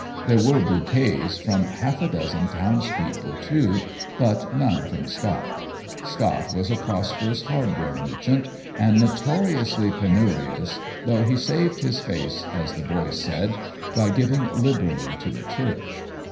There were bouquets from half a dozen townspeople, too, but none from Scott. Scott was a prosperous hardware merchant and notoriously penurious, though he saved his face, as the boys said, by giving liberally to the church.